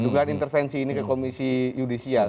dugaan intervensi ini ke komisi yudisial